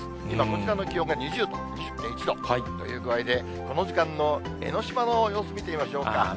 今、こちらの気温が２０度、２０．１度という具合で、この時間の江の島の様子、見てみましょうか。